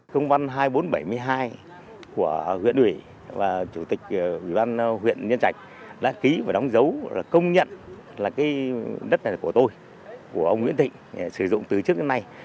công văn hai nghìn bốn trăm bảy mươi hai của huyện ủy và chủ tịch ủy ban huyện nhân trạch đã ký và đóng dấu công nhận là cái đất này của tôi của ông nguyễn thịnh sử dụng từ trước đến nay